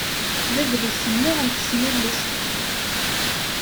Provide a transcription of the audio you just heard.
D adlis-nneɣ n tesnilest.